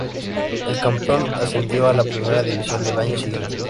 El campeón ascendió a la Primera División del año siguiente.